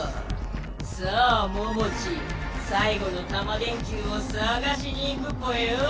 さあモモチーさい後のタマ電Ｑをさがしに行くぽよ。